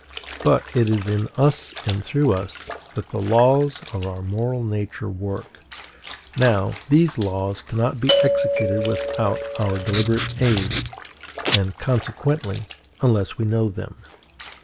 But it is in us and through us that the laws of our moral nature work; now, these laws cannot be executed without our deliberate aid, and, consequently, unless we know them.